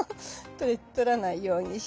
取らないようにして。